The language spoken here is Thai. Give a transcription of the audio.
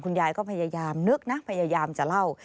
ยายก็พยายามนึกนะพยายามจะเล่า